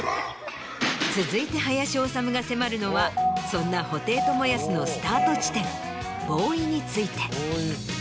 続いて林修が迫るのはそんな布袋寅泰のスタート地点ＢＯφＷＹについて。